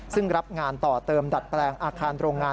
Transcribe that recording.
ซึ่งรับงานต่อเติมดัดแปลงอาคารโรงงาน